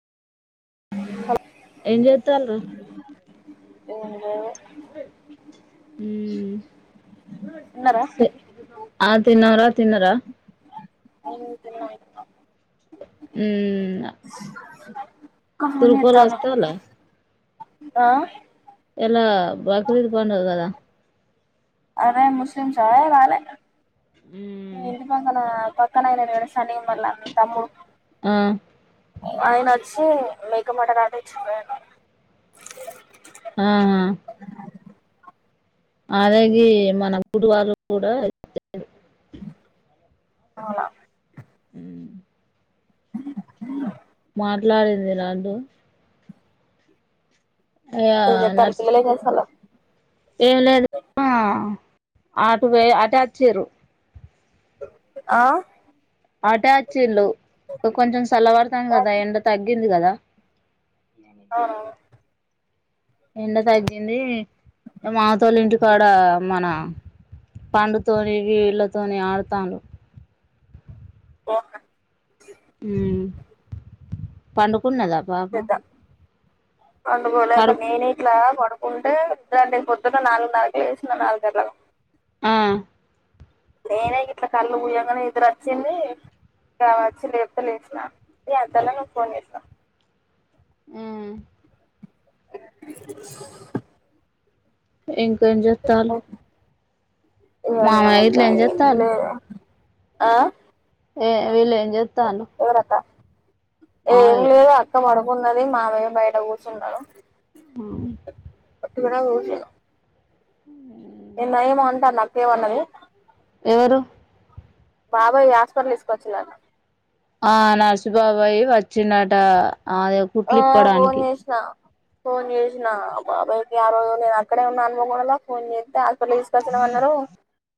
ఏం జేతాండ్రు? ఏం లేదు. తిన్నారా ఊహ్ ఆ, తిన్నంరా. తిన్నరా? ఆల్రెడి తిన్నాయి ఉమ్ ఖమ్మం తురుకోలు ఎత్తాలొ వస్తాల ఇయ్యలా బక్రీద్ పండగ గదా? అదే ముస్లింసా రాలె, మ్మ్ ఇంటి పక్కలా క్కన ఎవడైనా ఏవన్న సని ఉన్నోళ్ళా తమ్ము ఊ ఆయనచ్చీ మేక మెడ గాటచ్చిందయనే ఆ అదే గీ మన గుడివాళ్ళు కూడా అవలా ఊ మాట్లాడేది రాదు. ఇగ ఏంద నర్స్ తాలిపులల్లే మసాల ఏం లేదు ఆటు బొయి అటే అచ్చిర్రు. ఆ అటే అచ్చిళ్ళు. ఇక్ కొంచెం సల్లబడతాంది గదా? ఎండ తగ్గింది గదా? ఆ ఎండ తగ్గింది మాతోలు ఇంటి కాడ మన పండుతోని వీళ్ళతోని ఆడతాన్రు ఓహ పండుకున్నదా పాప చేద్దాం పండుకోలేక పడు నేనే ఇట్లా పడుకుంటే దాని పొద్దున్న నాలుగున్నరకే లెసిన నాలుగల్ల ఆ నేనే ఇట్లా కళ్ళు మూయంగనే నిద్దర వచ్చింది కావచ్చి లేపితే లేసినా ఈ అంతలో నువ్ ఫోన్ చేసినవ్ ఊ ఇంకేం చేతాళ్లు గిట్ల ఏం చేత్తాలు ఆ ఏ వీళ్ళేం చెత్తాళ్లు ఎవరక్క ఏం లేదు అక్క పడుకున్నది మావయ్య బయట కూర్చున్నడు ఉ కూడా ఈ నయము అంటాన అక్కేమన్నది ఎవరు బాబాయ్ హాస్టల్ తీసుకొచ్చులంట ఆ నర్సిబాబాయి వచ్చిండట అది కుట్లు ఇప్పడానికి అ ఫోన్ చేసినా బాబాయికి ఆ రోజు నేను అక్కడే ఉన్నా అనుకోకుండా ఫోన్ చేస్తే పలి తీసుకొచ్చినమన్నరు